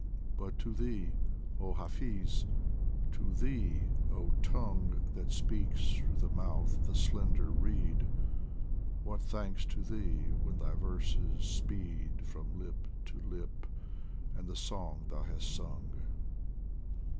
But to thee, oh Hafiz, to thee, oh Tongue That speaks through the mouth of the slender reed, What thanks to thee when thy verses speed From lip to lip, and the song thou hast sung